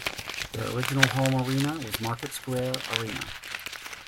Their original home arena was Market Square Arena.